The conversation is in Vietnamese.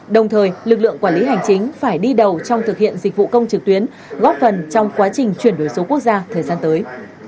đồng thời lực lượng quản lý hành chính phải đi đầu trong thực hiện dịch vụ công trực tuyến góp phần trong quá trình chuyển đổi số quốc gia thời gian tới